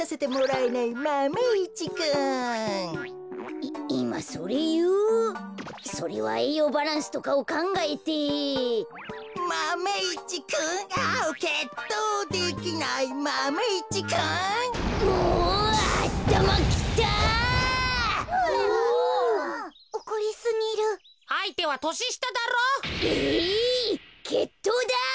えいけっとうだ！